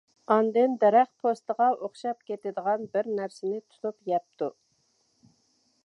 ئاندىن دەرەخ پوستىغا ئوخشاپ كېتىدىغان بىر نەرسىنى تۇتۇپ يەپتۇ.